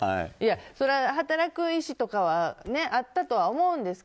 それは働く意志とかはあったとは思うんですが